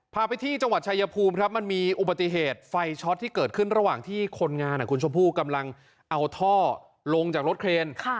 พาไปที่จังหวัดชายภูมิครับมันมีอุบัติเหตุไฟช็อตที่เกิดขึ้นระหว่างที่คนงานคุณชมพู่กำลังเอาท่อลงจากรถเครน